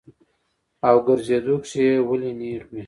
او ګرځېدو کښې ئې ولي نېغ وي -